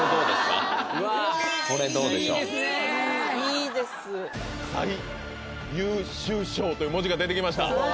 いいですねぇ「最優秀賞」という文字が出てきました！